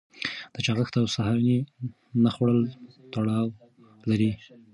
د چاغښت او سهارنۍ نه خوړل تړاو لري.